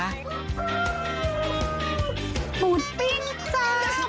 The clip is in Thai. หมูปิ้งจ้าหมูปิ้ง